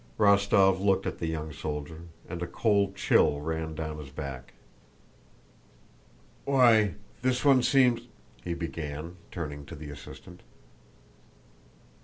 Rostóv looked at the young soldier and a cold chill ran down his back. "Why, this one seems..." he began, turning to the assistant.